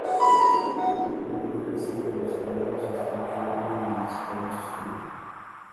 Las mujeres siguen a los hermanos hasta un fiordo en donde separan sus caminos.